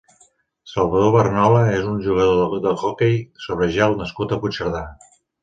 Salvador Barnola és un jugador d'hoquei sobre gel nascut a Puigcerdà.